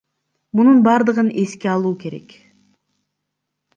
Мунун бардыгын эске алуу керек.